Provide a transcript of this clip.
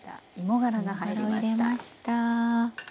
芋がらを入れました。